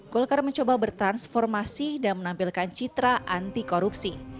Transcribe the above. golkar mencoba bertransformasi dan menampilkan citra anti korupsi